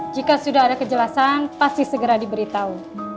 jika sudah ada kejelasan pasti segera diberitahu